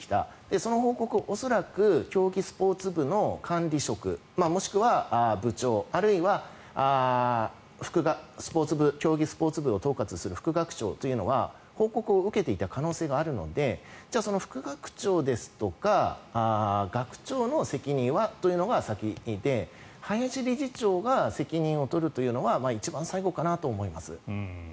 その報告は恐らく競技スポーツ部の管理職、もしくは部長あるいは、競技スポーツ部を統括する副学長というのは報告を受けていた可能性があるので、副学長ですとか学長の責任というのが先で林理事長が責任を取るというのは一番最後かなと思います。